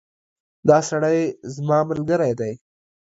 دا سړی زما ملګری دی